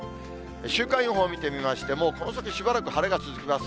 週間予報見てみましても、この先しばらく晴れが続きます。